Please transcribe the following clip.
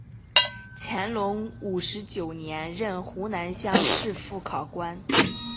乾隆五十九年任湖南乡试副考官。